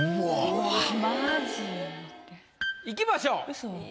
マジ？いきましょう。